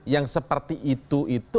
yang seperti itu itu